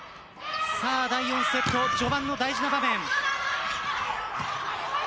第４セット、序盤の大事な場面。